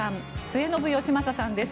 末延吉正さんです。